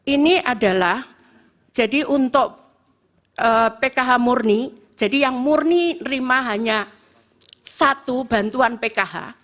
ini adalah jadi untuk pkh murni jadi yang murni rima hanya satu bantuan pkh